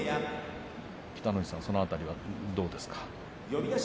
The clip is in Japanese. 北の富士さん、その辺りはどうですか。